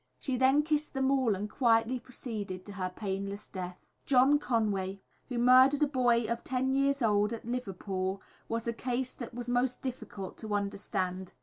She then kissed them all and quietly proceeded to her painless death. [Illustration: Mrs. Pearcey.] John Conway, who murdered a boy of ten years old, at Liverpool, was a case that was most difficult to understand.